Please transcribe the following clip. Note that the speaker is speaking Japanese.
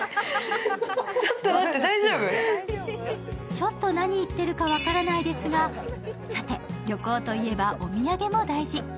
ちょっと何、言ってるか分からないですがさて、旅行といえばお土産も大事。